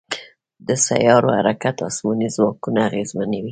د سیارو حرکت اسماني ځواکونه اغېزمنوي.